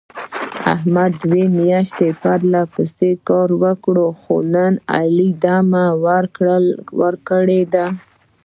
احمد دوه میاشتې پرله پسې کار وکړ. خو نن علي دمه ور کړې ده.